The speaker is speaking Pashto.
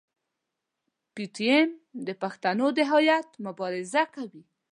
پي ټي ایم د پښتنو د هویت مبارزه کوي.